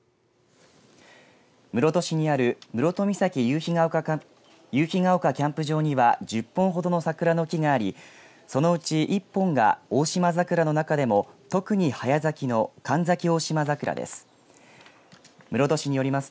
室戸市にある室戸岬夕陽ヶ丘キャンプ場には１０本ほどの桜の木がありそのうち１本がオオシマザクラの中でも特に早咲きのカンザキオオシマザクラです。